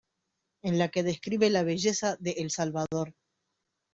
En la que describe la belleza de El Salvador.